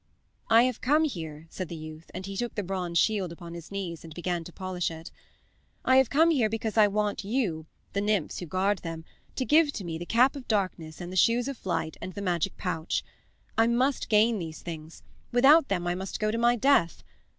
"I have come here," said the youth, and he took the bronze shield upon his knees and began to polish it, "I have come here because I want you, the nymphs who guard them, to give to me the cap of darkness and the shoes of flight and the magic pouch. I must gain these things; without them I must go to my death.